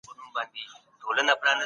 ما د رسا صاحب يو شعر په کتابچه کي وليکه.